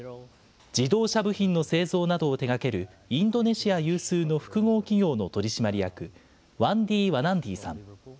自動車部品の製造などを手がける、インドネシア有数の複合企業の取締役、ワンディ・ワナンディさん。